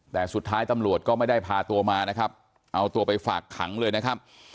แต่สุดท้ายตำรวจก็ไม่ได้พาตัวมานะครับเอาตัวไปฝากขังเลยนะครับ